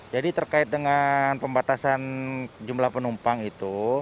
jadi terkait dengan pembatasan jumlah penumpang itu